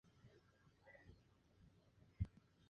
El secretario de esta junta fue el Prócer Liborio Mejía.